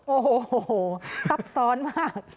โอ้โหซับซ้อนมาก